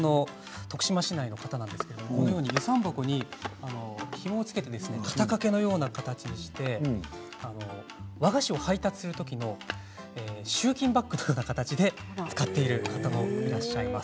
徳島市内の方なんですが遊山箱にひもを付けて肩掛けのような形にして和菓子を配達するときの集金バッグのような形で使っている方もいらっしゃいます。